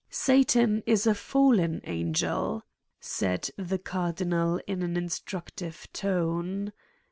..." "Satan is a fallen angel," said the Cardinal in an instructive tone.